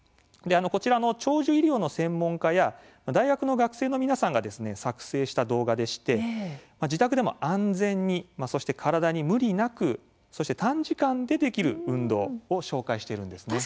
長寿医療の専門家や大学の学生の皆さんが作成した動画でして自宅でも安全に、そして体に無理なく短時間でできる運動を紹介しています。